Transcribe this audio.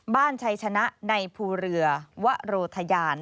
ชัยชนะในภูเรือวะโรทยาน